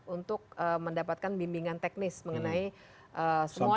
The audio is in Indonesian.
untuk mendapatkan bimbingan teknis mengenai semuanya lah